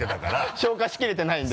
消化しきれてないんで。